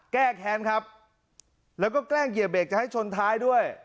แก้แค้นครับแล้วก็แกล้งเหยียบเบรกจะให้ชนท้ายด้วย